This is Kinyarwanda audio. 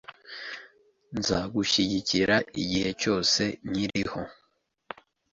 Nzagushyigikira igihe cyose nkiriho .